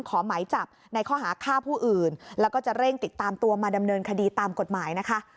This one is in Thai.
หมายจับในข้อหาฆ่าผู้อื่นแล้วก็จะเร่งติดตามตัวมาดำเนินคดีตามกฎหมายนะคะ